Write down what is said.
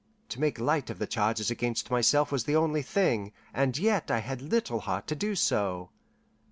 To make light of the charges against myself was the only thing, and yet I had little heart to do so.